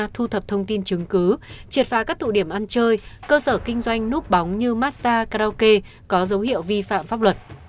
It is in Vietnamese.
thu thập thông tin chứng cứ triệt phá các tụ điểm ăn chơi cơ sở kinh doanh núp bóng như massage karaoke có dấu hiệu vi phạm pháp luật